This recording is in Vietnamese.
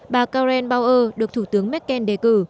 bà karen bauer được thủ tướng merkel đề cử